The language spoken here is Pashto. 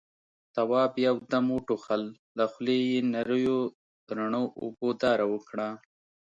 تواب يو دم وټوخل، له خولې يې نريو رڼو اوبو داره وکړه.